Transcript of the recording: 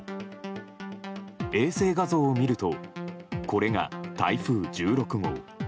衛星画像を見るとこれが台風１６号。